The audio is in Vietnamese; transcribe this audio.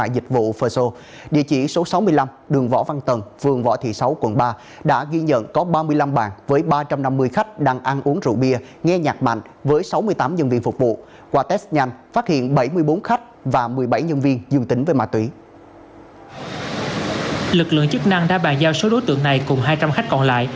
lực lượng chức năng đã bàn giao số đối tượng này cùng hai trăm linh khách còn lại